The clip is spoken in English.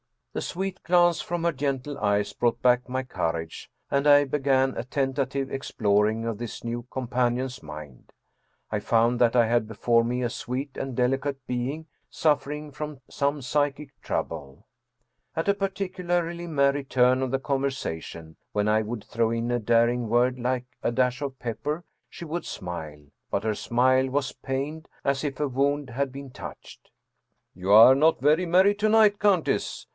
The sweet glance from her gentle eyes brought back my courage, and I began a tentative exploring of this new companion's mind. I found that I had before me a sweet and delicate being, suffering from some psychic trouble. At a particu larly merry turn of the conversation, when I would throw 149 German Mystery Stories in a daring word like a dash of pepper, she would smile, but her smile was pained, as if a wound had been touched. " You are not very merry to night, countess.